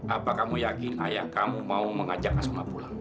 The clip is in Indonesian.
apa kamu yakin ayah kamu mau mengajak asma pulang